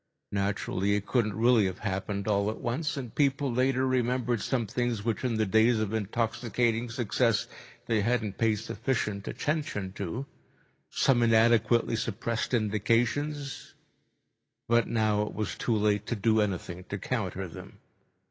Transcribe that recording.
Naturally, it couldn't really have happened all at once, and people later remembered some things which in the days of intoxicating success they hadn't paid sufficient attention to, some inadequately suppressed indications, but now it was too late to do anything to counter them.